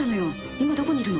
今どこにいるの？